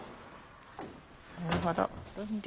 なるほど。